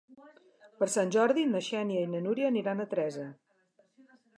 Per Sant Jordi na Xènia i na Núria aniran a Teresa.